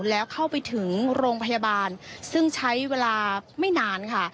แล้วเข้าไปถึงโรงพยาบาลซึ่งใช้เวลาไม่นานค่ะ